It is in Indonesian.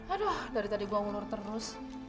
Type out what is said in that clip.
aduh dari tadi gue ngelur terus